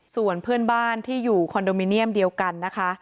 ส่วนเพื่อนบ้านที่อยู่คอนโดมิเนียมเดียวกันนะคะ